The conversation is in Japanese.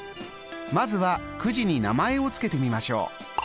まずはくじに名前をつけてみましょう。